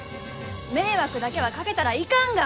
迷惑だけはかけたらいかんが！